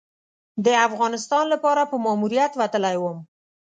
د افغانستان لپاره په ماموریت وتلی وم.